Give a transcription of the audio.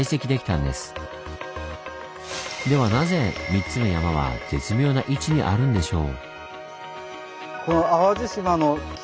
ではなぜ３つの山は絶妙な位置にあるんでしょう？